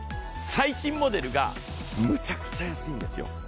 最新モデルがむちゃくちゃ安いんですよ。